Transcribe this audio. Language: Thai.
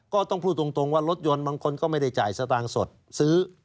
ก็ต้องพูดตรงว่ารถยนต์บางคนก็ไม่ได้จ่ายสตางค์สดซื้อ